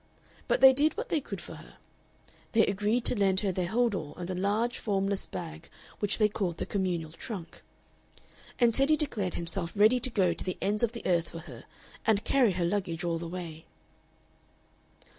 But they did what they could for her. They agreed to lend her their hold all and a large, formless bag which they called the communal trunk. And Teddy declared himself ready to go to the ends of the earth for her, and carry her luggage all the way.